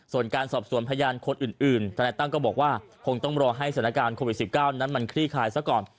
ส่วนการสอบสวนพยานคนอื่นทนายตั้มก็บอกว่าคงต้องรอให้สถานการณ์โควิด๑๙นั้นมันคลี่คลายซะก่อน